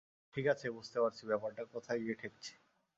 ঠিক আছে, বুঝতে পারছি ব্যাপারটা কোথায় গিয়ে ঠেকছে।